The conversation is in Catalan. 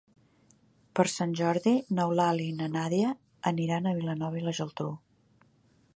Per Sant Jordi n'Eulàlia i na Nàdia aniran a Vilanova i la Geltrú.